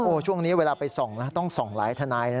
ช่วงนี้เวลาไปส่องนะต้องส่องหลายทนายนะ